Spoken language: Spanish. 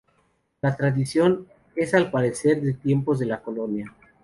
La tradición es al parecer de tiempos de la colonia.